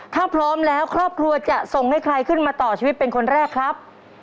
ถ้าพร้อมแล้วครอบครัวจะส่งให้ใครขึ้นมาต่อชีวิตเป็นคนแรกครับ